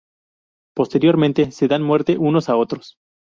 Posteriormente, se dan muerte unos a otros.